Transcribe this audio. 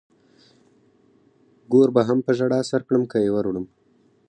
ګور به هم په ژړا سر کړم که يې ور وړم.